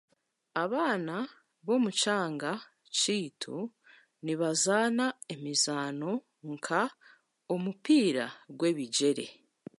Abaana b'omu kyanga kyaitu nibazaana emizaano nka omupiira gw'ebigyere.